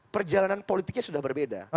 perjalanan politiknya sudah berbeda